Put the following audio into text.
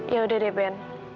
yaudah deh ben